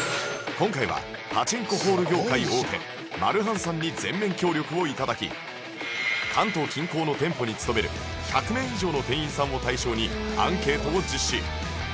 今回はパチンコホール業界大手マルハンさんに全面協力を頂き関東近郊の店舗に勤める１００名以上の店員さんを対象にアンケートを実施